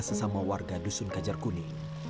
sesama warga dusun kajarkuni